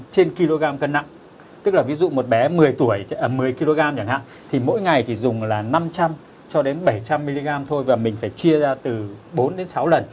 trên kg cân nặng tức là ví dụ một bé một mươi kg chẳng hạn thì mỗi ngày thì dùng là năm trăm linh bảy trăm linh ml thôi và mình phải chia ra từ bốn sáu lần